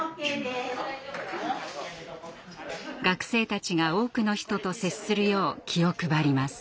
学生たちが多くの人と接するよう気を配ります。